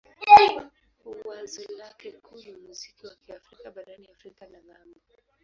Wazo lake kuu ni muziki wa Kiafrika barani Afrika na ng'ambo.